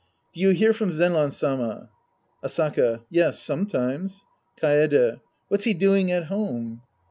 Do you hear from Zenran Sama ? Asaka. Yes, sometimes. Kaede. What's he doing at home